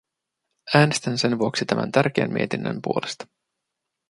Äänestän sen vuoksi tämän tärkeän mietinnön puolesta.